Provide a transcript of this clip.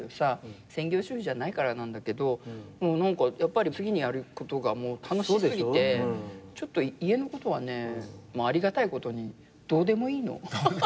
専業主婦じゃないからなんだけどやっぱり次にやることが楽し過ぎてちょっと家のことはねありがたいことにどうでもいいの。